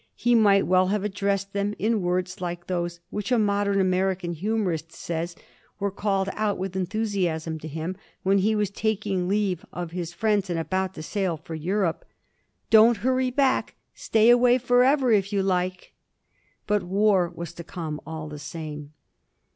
He might well have addressed them in words like those which a modern American humorist says were called out with enthusiasm to him when he was takinor leave of his friends and about to sail for Europe :" Don't hurry back — stay away forever if you like." But war was to come all the same.